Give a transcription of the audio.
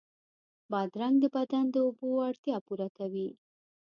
بادرنګ د بدن د اوبو اړتیا پوره کوي.